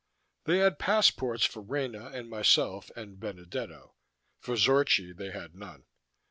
They had passports for Rena and myself and Benedetto; for Zorchi they had none.